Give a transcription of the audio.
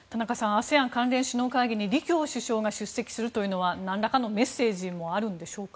ＡＳＥＡＮ関連首脳会議に李強首相が出席するというのは何らかのメッセージもあるんでしょうか。